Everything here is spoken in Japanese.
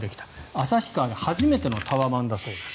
旭川で初めてのタワマンだそうです。